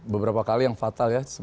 beberapa kali yang fatal ya